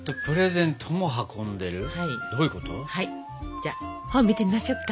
じゃあ本見てみましょうか。